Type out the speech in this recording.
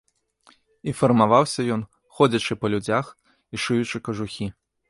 І фармаваўся ён, ходзячы па людзях і шыючы кажухі.